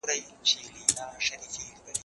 زه اوس زدکړه کوم!.